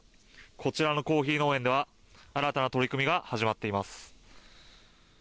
こちらのコーヒー農園では、新たな取り組みが始まっています。